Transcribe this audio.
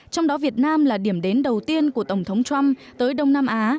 trong đó việt nam là điểm đến đầu tiên của tổng thống trump tới đông nam á